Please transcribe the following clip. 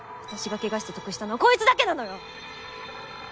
私が怪我して得したのはこいつだけなのよ！